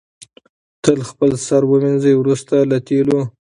تل خپل سر ووینځئ وروسته له تېلو.